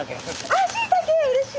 あっしいたけうれしい！